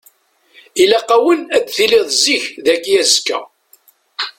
Ilaq-awen ad tiliḍ zik dagi azekka.